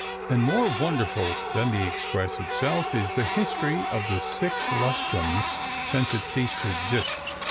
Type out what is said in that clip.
And more wonderful than the express itself is the history of the six lustrums since it ceased to exist.